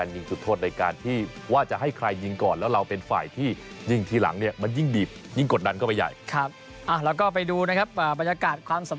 มันจะกลายเป็นเป็นคนที่ต้องรับผิดชอบกับเกมไปเลยอ่ะ